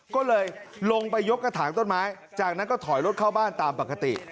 ก็เลยลงไปยกกระถางต้นไม้จากนั้นก็ถอยรถเข้าบ้านตามปกติ